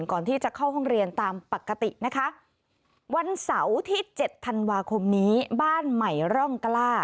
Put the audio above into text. ปกตินะคะวันเสาร์ที่เจ็ดธันวาคมนี้บ้านใหม่ร่องกล้า